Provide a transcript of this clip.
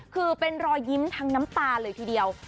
คือเป็นรอยยิ้มทั้งน้ำตาเลยทีเดียว